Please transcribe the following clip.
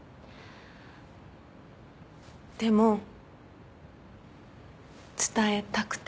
でも伝えたくて。